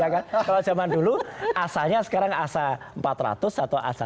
kalau zaman dulu asanya sekarang asa empat ratus atau a satu